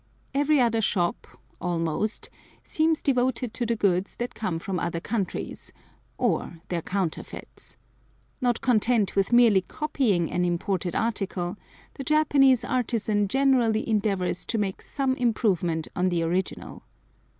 Every other shop, almost, seems devoted to the goods that come from other countries, or their counterfeits. Not content with merely copying an imported article, the Japanese artisan generally endeavors to make some improvement on the original.